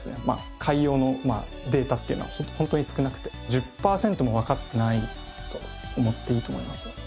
海洋のデータっていうのは本当に少なくて１０パーセントもわかってないと思っていいと思います。